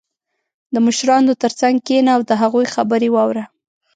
• د مشرانو تر څنګ کښېنه او د هغوی خبرې واوره.